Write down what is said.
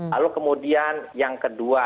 lalu kemudian yang kedua